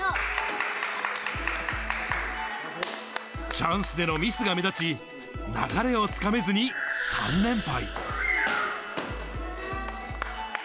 チャンスでのミスが目立ち、流れをつかめずに３連敗。